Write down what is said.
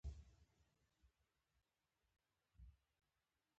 په خدای چې زما څخه اوس ډېر تکړه جراح جوړ شوی.